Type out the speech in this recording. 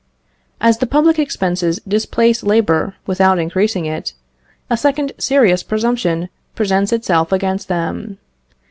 As the public expenses displace labour without increasing it, a second serious presumption presents itself against them.